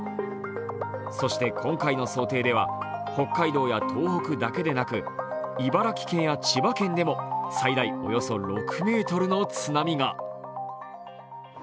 そして今回の想定では北海道や東北だけでなく、茨城県や千葉県でも最大およそ６ｍの津波が。